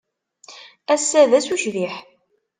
Ass-a d ass ucbiḥ.